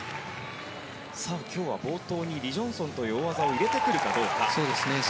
今日は冒頭にリ・ジョンソンという大技を入れてくるかどうか。